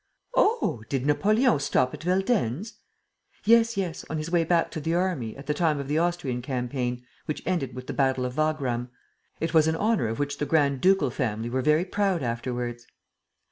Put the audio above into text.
"Oh, did Napoleon stop at Veldenz?" "Yes, yes, on his way back to the army, at the time of the Austrian campaign, which ended with the battle of Wagram. It was an honor of which the grand duchal family were very proud afterwards."